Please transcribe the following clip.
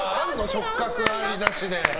触覚ありなしで。